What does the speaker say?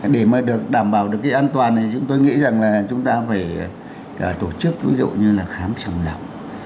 để mà được đảm bảo được cái an toàn thì chúng tôi nghĩ rằng là chúng ta phải tổ chức ví dụ như là khám sàng lọc